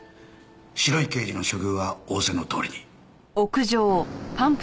白い刑事の処遇は仰せのとおりに。